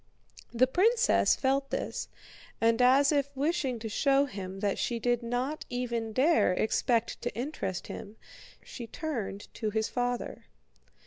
The princess felt this, and as if wishing to show him that she did not even dare expect to interest him, she turned to his father.